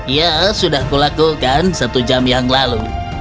ya sudah kulakukan satu jam yang lalu